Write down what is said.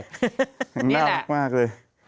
แข็งหน้ากลังมากเลย